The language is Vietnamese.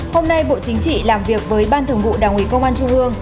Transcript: hôm nay bộ chính trị làm việc với ban thường vụ đảng ủy công an trung ương